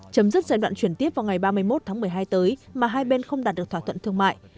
chấm dứt giai đoạn chuyển tiếp vào ngày ba mươi một tháng một mươi hai tới mà hai bên không đạt được thỏa thuận thương mại